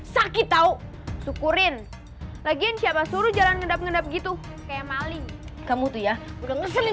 sakit tau syukurin lagian siapa suruh jalan ngedap ngendap gitu kayak maling kamu tuh ya udah ngeseling